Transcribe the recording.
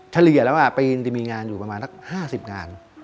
เทลียแล้วปีนีมีงานอยู่ประมาณ๕๐งาน